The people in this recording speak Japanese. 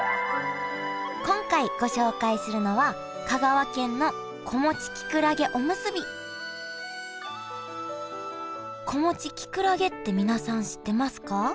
今回ご紹介するのは「子持ちきくらげ」って皆さん知ってますか？